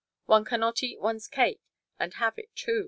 One can not eat one's cake and have it too.